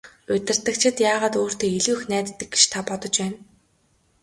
Удирдагчид яагаад өөртөө илүү их найддаг гэж та бодож байна?